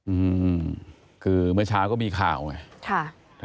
อืมคือเมื่อเช้าก็มีข่าวไงค่ะ